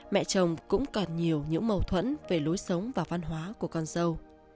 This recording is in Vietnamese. mẹ chồng cũng còn nhiều những mâu thuẫn về lối sống và văn hóa của con dâu